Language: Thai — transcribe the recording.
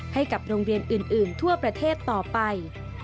ให้กับโรงเรียนอื่นทั่วประเทศต่อไป